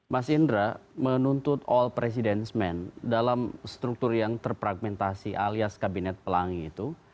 mas indra menuntut all president men dalam struktur yang terpragmentasi alias kabinet pelangi itu